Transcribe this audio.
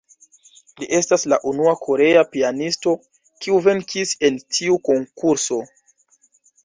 Li estas la unua korea pianisto, kiu venkis en tiu Konkurso.